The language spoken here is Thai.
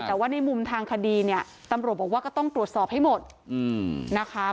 แต่ว่าในมุมทางคดีเนี่ยตำรวจบอกว่าก็ต้องตรวจสอบให้หมดนะคะ